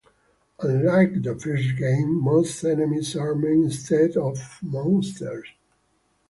Unlike in the first game, most enemies are men instead of monsters.